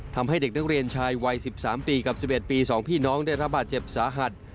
ทำให้เด็กนักเรียนชายวัย๑๓ปีกับ๑๑ปี๒พี่น้องได้รับบาดเจ็บสาหัส